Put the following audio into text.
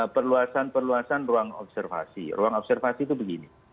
perluasan perluasan ruang observasi ruang observasi itu begini